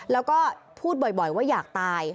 แล้วก็พูดบ่อยว่าอยากตาย